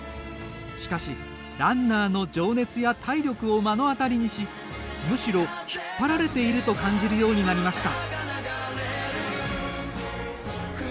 しかし、ランナーの情熱や体力を目の当たりにしむしろ引っ張られていると感じるようになりました。